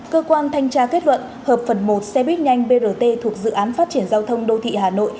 cơ quan thanh tra kết luận hợp phần một xe buýt nhanh brt thuộc dự án phát triển giao thông đô thị hà nội